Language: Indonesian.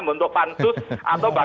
bentuk pantus atau bahkan sama di jambatan